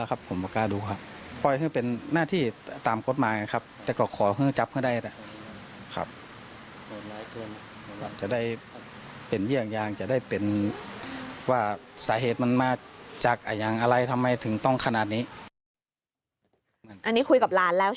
อันนี้คุยกับหลานแล้วใช่ไหมครับ